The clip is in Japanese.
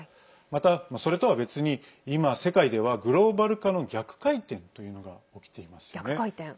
また、それとは別に今、世界ではグローバル化の逆回転というのが起きていますね。